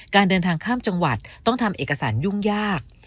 การเดินทางข้ามจังหวัดต้องทำเอกสารยุ่งยาก